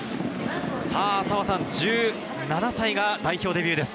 １７歳が代表デビューです。